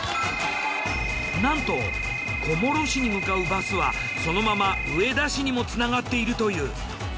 なんと小諸市に向かうバスはそのまま上田市にもつながっているという。